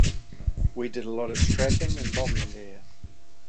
We did a lot of strafing and bombing there.